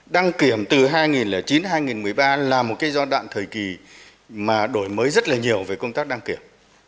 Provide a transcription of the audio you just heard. đăng kiểm từ hai nghìn chín hai nghìn một mươi ba là một cái giai đoạn thời kỳ mà đổi mới rất là nhiều về công tác đăng kiểm